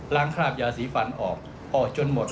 คราบยาสีฟันออกออกจนหมด